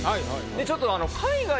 ちょっと。